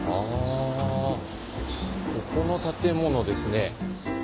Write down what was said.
ここの建物ですね。